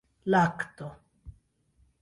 lakto